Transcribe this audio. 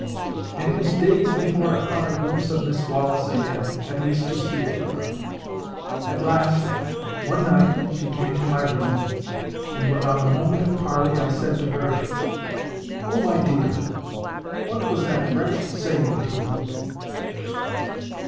And it was days before I caught a glimpse of Miss Wallis again, at least to speak to her. At last, one night she came to my room; and without a moment of parley, I said to her, "Oh, my dear! what was that wretch saying to you?"